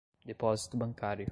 depósito bancário